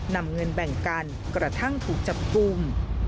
นำเงินแบ่งกันกระทั่งถูกจับกลุ่ม